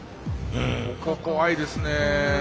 ここ怖いですね。